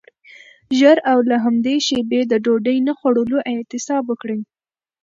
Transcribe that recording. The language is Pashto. ژر او له همدې شیبې د ډوډۍ نه خوړلو اعتصاب وکړئ.